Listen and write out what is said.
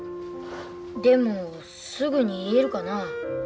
でもすぐに言えるかな。